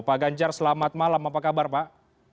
pak ganjar selamat malam apa kabar pak